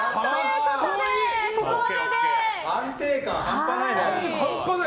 安定感、半端ないな。